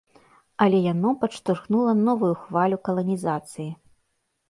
Але яно падштурхнула новую хвалю каланізацыі.